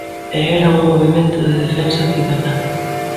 E era un movemento de defensa cidadá.